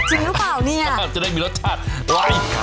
จะได้มีรสชาติไหล